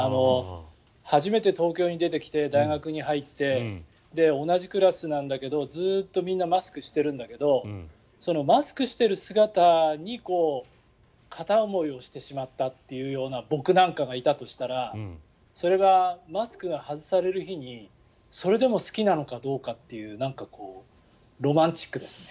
初めて東京に出てきて大学に入って同じクラスなんだけどずっとみんなマスクしてるんだけどマスクしてる姿に片思いをしてしまったという僕なんかがいたとしたらそれが、マスクが外される日にそれでも好きなのかどうかというロマンチックですね。